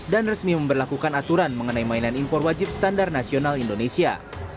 dan resmi memperlakukan aturan mengenai mainan impor wajib standar nasional indonesia